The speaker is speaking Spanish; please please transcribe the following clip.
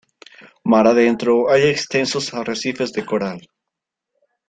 Mar adentro hay extensos arrecifes de coral.